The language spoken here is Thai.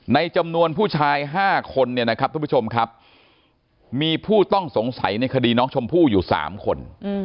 ในจำนวนผู้ชาย๕คนเนี่ยนะครับทุกผู้ชมครับมีผู้ต้องสงสัยในคดีน้องชมพู่อยู่๓คน